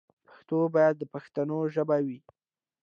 پښتو باید د پښتنو ژبه وي.